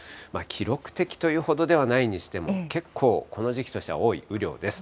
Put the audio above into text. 記録的というほどではないにしても、結構この時期としては多い雨量です。